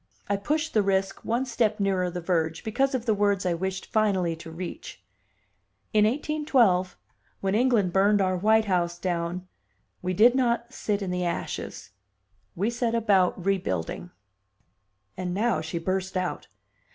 I pushed the risk one step nearer the verge, because of the words I wished finally to reach. "In 1812, when England burned our White House down, we did not sit in the ashes; we set about rebuilding." And now she burst out.